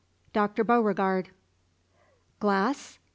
DOCTOR BEAUREGARD. "Glass?